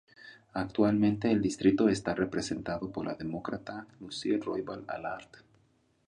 Actualmente el distrito está representado por la Demócrata Lucille Roybal-Allard.